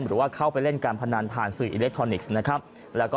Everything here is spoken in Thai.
หรือว่าเข้าไปเล่นการพนันผ่านสื่ออีเล็กทรอนิค